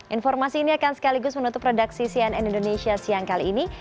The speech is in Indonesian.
informasi ini akan sekaligus menutup redaksi cnn indonesia siang kali ini